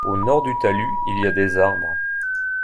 Au nord du talus il y a des arbres.